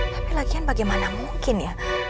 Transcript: tapi latihan bagaimana mungkin ya